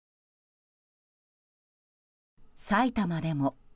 埼玉でも。